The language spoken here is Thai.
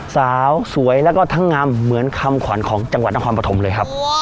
สาวสวยแล้วก็ทั้งงำเหมือนคำขวัญของจังหวัดนครปฐมเลยครับ